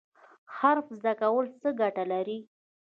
حرفه زده کول څه ګټه لري؟